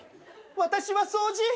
私は掃除。